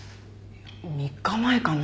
３日前かな？